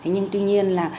nhưng tuy nhiên là